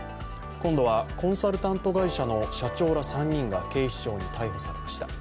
今度はコンサルタント会社の社長ら３人が警視庁に逮捕されました。